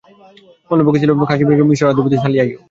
অন্য পক্ষে ছিল খারিযিমিয়্যাহ ও মিসর অধিপতি সালিহ আইয়ুব।